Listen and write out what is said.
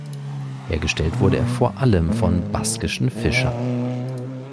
Hergestellt wurde er vor allem von baskischen Fischern.